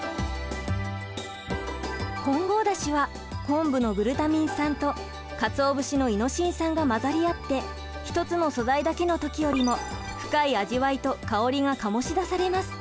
混合だしは昆布のグルタミン酸とかつお節のイノシン酸が混ざり合って１つの素材だけの時よりも深い味わいとかおりが醸し出されます。